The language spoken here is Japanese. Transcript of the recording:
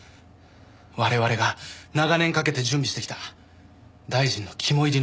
我々が長年かけて準備してきた大臣の肝煎りの改革です。